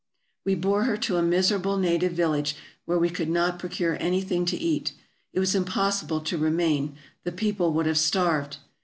We bore her to a miserable native village, where we could not procure anything to eat. It was impossible to remain; the people would have starved.